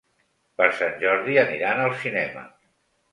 Per Sant Jordi aniran al cinema.